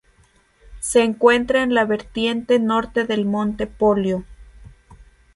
Se encuentra en la vertiente norte del monte Polio.